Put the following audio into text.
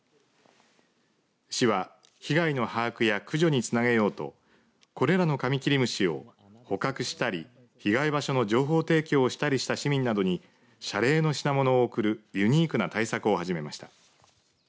市は被害の把握や駆除につなげようとこれらのカミキリムシを捕獲したり被害場所の情報提供をしたりした市民などに謝礼の品物を贈るユニークな対策を始めました。